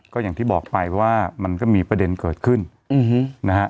ก็อย่างที่บอกไปว่ามันก็มีประเด็นเกิดขึ้นนะฮะ